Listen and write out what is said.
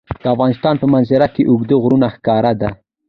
د افغانستان په منظره کې اوږده غرونه ښکاره ده.